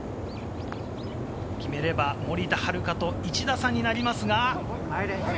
決めれば、森田遥と１打差になりますが。